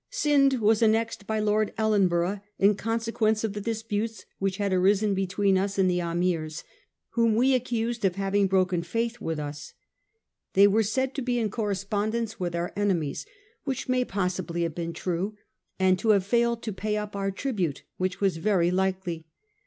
Scinde was annexed by Lord Ellenborough in consequence of the disputes which had arisen between us and the Ameers, whom we accused of having broken faith with us. They were said, to be in correspondence with our 316 A HISTORY OF OUR OWN TIMES. ch. mi, enemies, which may possibly Have been true, and to have failed to pay up our tribute, which was very likely.